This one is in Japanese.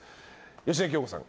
芳根京子さん